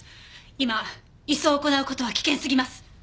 今移送を行う事は危険すぎます。